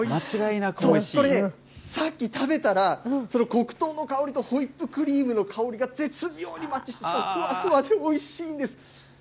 さっき食べたら、その黒糖の香りと、ホイップクリームの香りが絶妙にマッチして、ふわふわでおいしいんです。